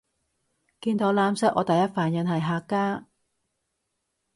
見到藍色我第一反應係客家